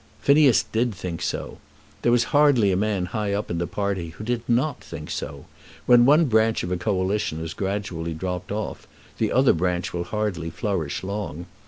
Phineas did think so. There was hardly a man high up in the party who did not think so. When one branch of a Coalition has gradually dropped off, the other branch will hardly flourish long.